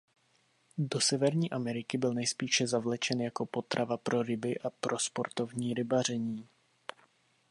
Do Severní Ameriky byl nejspíše zavlečen jako potrava pro ryby a pro sportovní rybaření.